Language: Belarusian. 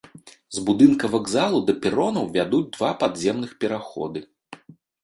З будынка вакзалу да перонаў вядуць два падземных пераходы.